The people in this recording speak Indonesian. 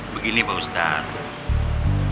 begini pak ustaz